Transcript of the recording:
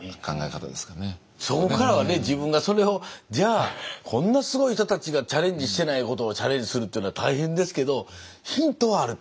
そこからはね自分がそれをじゃあこんなすごい人たちがチャレンジしてないことをチャレンジするっていうのは大変ですけどヒントはあると思いますね。